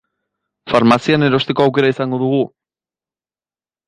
Farmazian erosteko aukera izango dugu?